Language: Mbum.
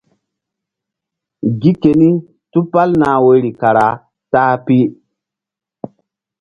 Gi keni tupal nah woyri kara ta-a pi.